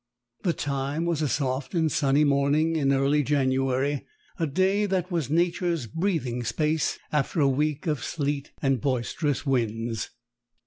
The time was a soft and sunny morning in early January a day that was Nature's breathing space after a week of sleet and boisterous winds.